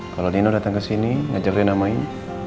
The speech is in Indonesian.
kalau nino datang ke sini ngajak rena main